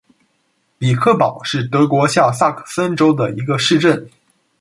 比克堡是德国下萨克森州的一个市镇。